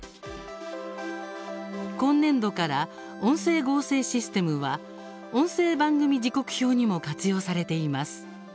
今年度から音声合成システムは音声番組時刻表にも活用されています。